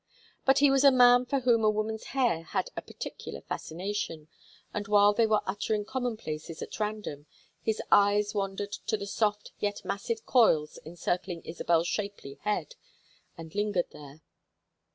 But he was a man for whom a woman's hair had a peculiar fascination, and while they were uttering commonplaces at random his eyes wandered to the soft yet massive coils encircling Isabel's shapely head, and lingered there.